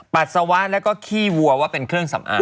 ปัสสาวะแล้วก็ขี้วัวว่าเป็นเครื่องสำอาง